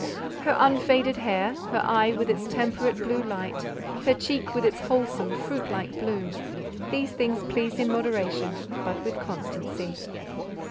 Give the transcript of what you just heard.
Her unfaded hair, her eye with its temperate blue light, her cheek with its wholesome fruit like bloom—these things pleased in moderation, but with constancy.